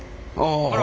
ああ。